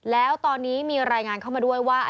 แล้วตอนนี้มีรายงานเข้ามาด้วยว่า